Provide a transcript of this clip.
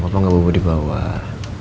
bapak gak bawa tamu di bawah